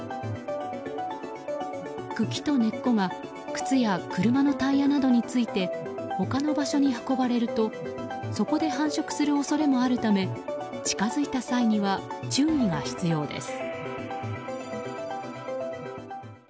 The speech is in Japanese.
茎と根っこが靴や車のタイヤなどについて他の場所に運ばれるとそこで繁殖する恐れもあるため近づいた際には注意が必要です。